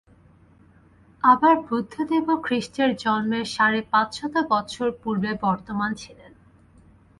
আবার বুদ্ধদেবও খ্রীষ্টের জন্মের সাড়ে-পাঁচশত বৎসর পূর্বে বর্তমান ছিলেন।